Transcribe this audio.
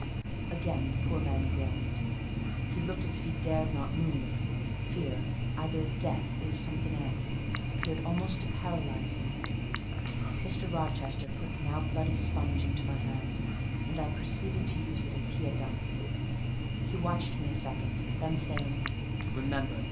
Again the poor man groaned; he looked as if he dared not move; fear, either of death or of something else, appeared almost to paralyse him. Mr. Rochester put the now bloody sponge into my hand, and I proceeded to use it as he had done. He watched me a second, then saying, "Remember!